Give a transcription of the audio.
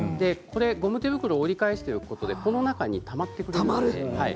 ゴム手袋を折り返しておくとこの中にたまるんです。